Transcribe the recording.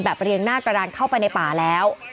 เรียงหน้ากระดานเข้าไปในป่าแล้ว